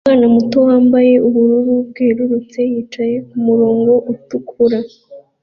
Umwana muto wambaye ubururu bwerurutse yicaye kumurongo utukura